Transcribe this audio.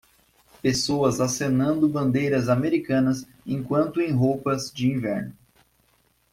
Pessoas acenando bandeiras americanas enquanto em roupas de inverno.